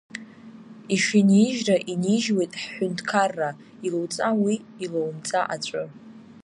Ишинижьра инижьуеит ҳҳәынҭқарра, илоуҵа уи, илоумҵа аҵәы.